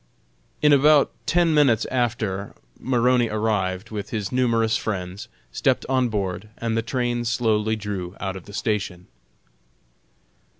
In about ten minutes after, Maroney arrived, with his numerous friends, stepped on board, and the train slowly drew out of the station.